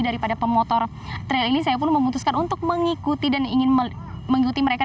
daripada pemotor trail ini saya pun memutuskan untuk mengikuti dan ingin mengikuti mereka